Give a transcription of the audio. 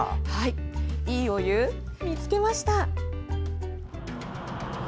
「＃いいお湯見つけました」。